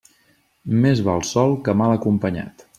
Més val sol que mal acompanyat.